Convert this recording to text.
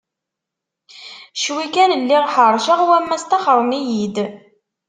Cwi kan lliɣ ḥerceɣ wamma staxren-iyi-d.